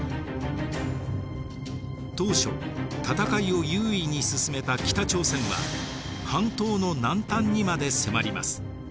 当初戦いを優位に進めた北朝鮮は半島の南端にまで迫ります。